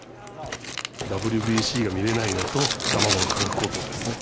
ＷＢＣが見れないのと、卵の価格高騰ですね。